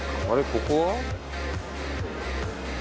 ここは。